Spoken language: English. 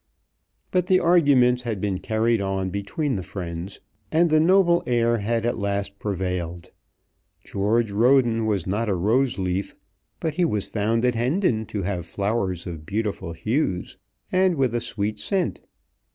But the argument had been carried on between the friends, and the noble heir had at last prevailed. George Roden was not a rose leaf, but he was found at Hendon to have flowers of beautiful hues and with a sweet scent.